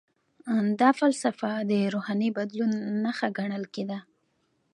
دا فلسفه د روحاني بدلون نښه ګڼل کیده.